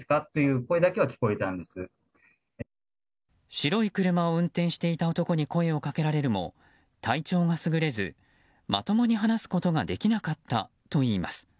白い車を運転していた男に声をかけられるも体調が優れずまともに話すことができなかったといいます。